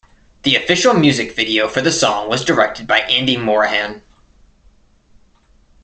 The official music video for the song was directed by Andy Morahan.